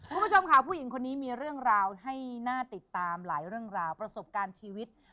คุณผู้ชมค่ะผู้หญิงคนนี้มีเรื่องราวให้น่าติดตามหลายเรื่องราวประสบการณ์ชีวิต